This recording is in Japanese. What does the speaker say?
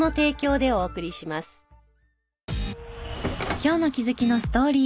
今日の気づきのストーリー。